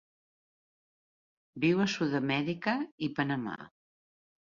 Viu a Sud-amèrica i Panamà.